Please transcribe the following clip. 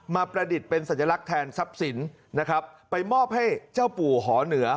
ประดิษฐ์เป็นสัญลักษณ์แทนทรัพย์สินนะครับไปมอบให้เจ้าปู่หอเหนือ